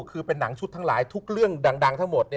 คือเป็นหนังชุดทั้งหลายทุกเรื่องดังทั้งหมด